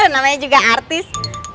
namanya juga artis